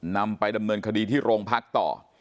นำไปดำเนินคดีที่โรงพักต่อ